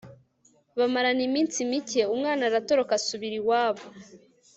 bamarana iminsi mike umwana, aratoroka asubira iwabo